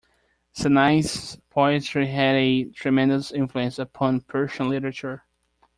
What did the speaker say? Sanai's poetry had a tremendous influence upon Persian literature.